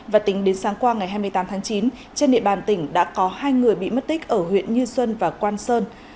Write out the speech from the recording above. và tính đến sáng qua ngày hai mươi tám tháng chín trên địa bàn tỉnh đã có hai người bị mất tích ở huyện như xuân và quan sơn